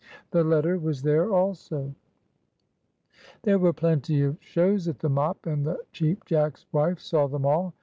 The letter was there also. There were plenty of shows at the mop, and the Cheap Jack's wife saw them all.